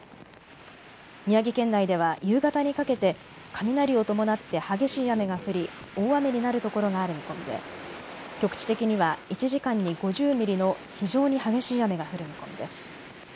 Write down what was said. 宮城県内では夕方にかけて雷を伴って激しい雨が降り大雨になるところがある見込みで局地的には１時間に５０ミリの非常に激しい雨が降る見込みです。